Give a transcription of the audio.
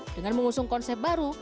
dengan mengusung konsep baru